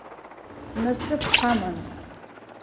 Насыԥ ҳаман.